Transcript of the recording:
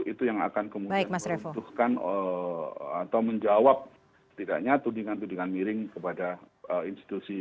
itu yang akan kemudian membutuhkan atau menjawab setidaknya tudingan tudingan miring kepada institusi